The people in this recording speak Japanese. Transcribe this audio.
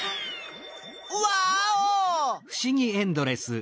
ワーオ！